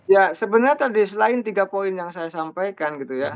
ya sebenarnya tadi selain tiga poin yang saya sampaikan gitu ya